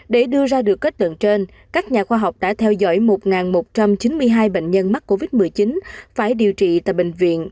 để đưa ra được kết tượng trên các nhà khoa học đã theo dõi một một trăm chín mươi hai bệnh nhân mắc covid một mươi chín phải điều trị tại bệnh viện